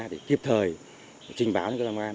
thì kịp thời trình báo cho các đồng an